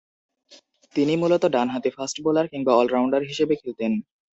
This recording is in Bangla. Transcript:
তিনি মূলতঃ ডানহাতি ফাস্ট-বোলার কিংবা অল-রাউন্ডার হিসেবে খেলতেন।